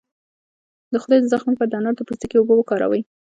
د خولې د زخم لپاره د انار د پوستکي اوبه وکاروئ